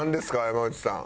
山内さん。